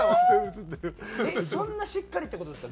そんなしっかりって事ですか？